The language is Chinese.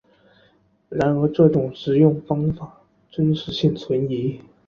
然而这种食用方法真实性存疑。